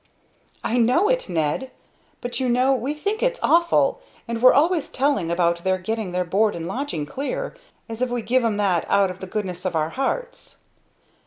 "I know it, Ned, but you know we think it's awful, and we're always telling about their getting their board and lodging clear as if we gave'em that out of the goodness of our hearts!"